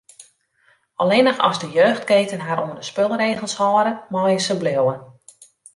Allinnich as de jeugdketen har oan de spulregels hâlde, meie se bliuwe.